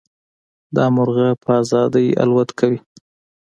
دا مرغه په ازادۍ الوت کوي.